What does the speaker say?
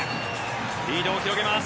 リードを広げます。